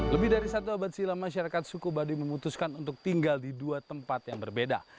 lebih dari satu abad silam masyarakat suku baduy memutuskan untuk tinggal di dua tempat yang berbeda